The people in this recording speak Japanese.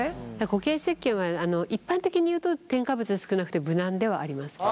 固形せっけんは一般的にいうと添加物少なくて無難ではあります。